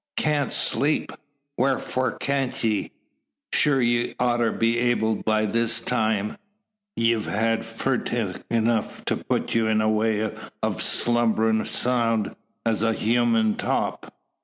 "Can't sleep! Wharfore can't ye? Sure ye oughter be able by this time. Ye've had furteeg enuf to put you in the way o' slumberin' soun' as a hummin' top."